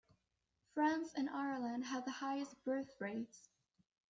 France and Ireland have the highest birth-rates.